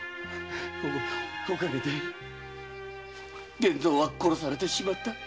おかげで源蔵は殺されてしまった。